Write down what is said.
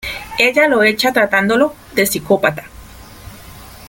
Ella lo echa tratándolo de psicópata.